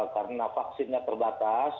karena vaksinnya terbatas